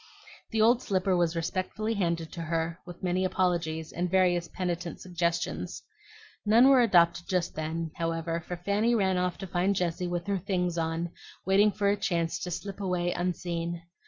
The old slipper was respectfully handed to her with many apologies and various penitent suggestions. None were adopted just then, however, for Fanny ran off to find Jessie with her things on waiting for a chance to slip away unseen.